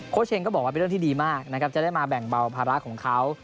เชงก็บอกว่าเป็นเรื่องที่ดีมากนะครับจะได้มาแบ่งเบาภาระของเขา